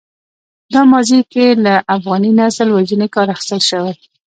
دا ماضي کې له افغاني نسل وژنې کار اخیستل شوی.